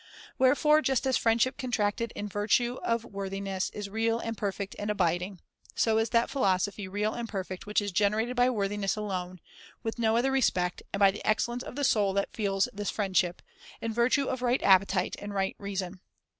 Wherefore, just as friendship contracted in virtue of worthiness is real and perfect and abiding, so is that philo sophy real and perfect which is generated by worthiness alone, with no other respect, and by the excellence of the soul that feels this friend ship, in virtue of right appetite and right reason.